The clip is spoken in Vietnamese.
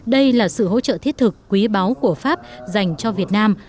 đây là sự hỗ trợ thiết thực quý báu của pháp dành cho việt nam